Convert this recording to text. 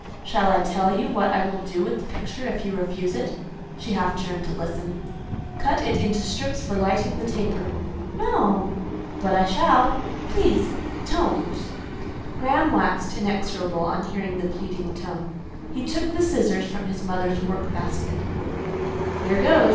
"Shall I tell you what I will do with the picture if you refuse it?" She half turned to listen. "Cut it into strips for lighting the taper." "No!" "But I shall." "Please—don't." Graham waxed inexorable on hearing the pleading tone; he took the scissors from his mother's work basket. "Here goes!"